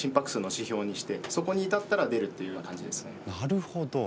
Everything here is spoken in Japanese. なるほど。